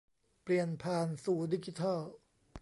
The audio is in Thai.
เปลี่ยนผ่านสู่ดิจิทัล